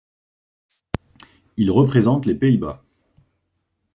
Il représente les Pays-Bas.